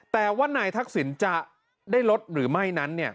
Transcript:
แต่ว่านายทักษิณจะได้ลดหรือไม่นั้น